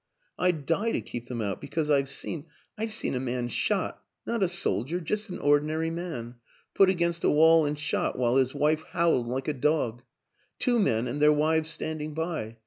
I'd die to keep them out, because I've seen. ... I've seen a man shot not a soldier, just an ordinary man put against a wall and shot while his wife howled like a dog. Two men and their wives standing by.